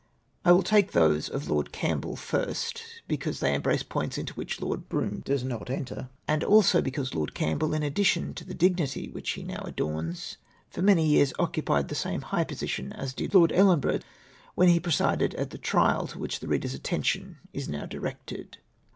I will take those of Lord Campbell first, because they em brace points into wdiicli Lord Brougham does not enter, and also because Lord Campbell, in addition to the dig nity which he now adorns, for many years occupied the same high position as did Lord Ellenborough, when he presided at the trial to which the reader's attention is now dkected.